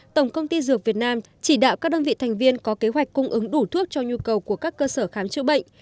tổng công ty dược việt nam chỉ đạo các đơn vị thành viên có kế hoạch cung ứng đủ thuốc cho nhu cầu của các cơ sở khám chữa bệnh